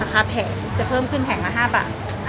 ราคาแผ่งจะเข้มขึ้น๕บาท